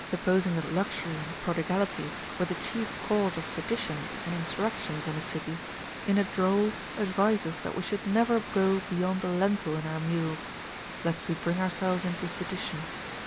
posing that luxury and prodigality Avere the chief cause of seditions and insurrections in a city, in a droll advises that we should never go beyond a lentil in our meals, lest we bring ourselves into sedition.